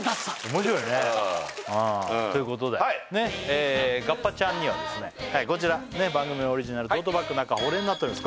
面白いねということでガッパちゃんにはですねこちら番組オリジナルトートバッグ中保冷になっております